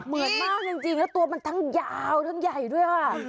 เหมือนมากจริงแล้วตัวมันทั้งยาวทั้งใหญ่ด้วยค่ะ